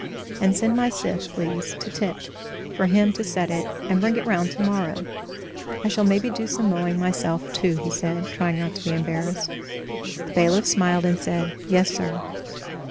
"And send my scythe, please, to Tit, for him to set it, and bring it round tomorrow. I shall maybe do some mowing myself too," he said, trying not to be embarrassed. The bailiff smiled and said: "Yes, sir."